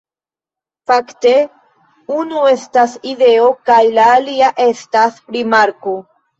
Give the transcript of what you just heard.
Fakte, unu estas ideo kaj la alia estas rimarko